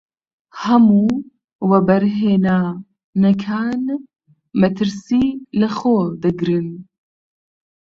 هەموو وەبەرهێنانەکان مەترسی لەخۆ دەگرن.